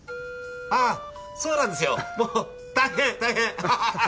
あそうなんですよもう大変大変！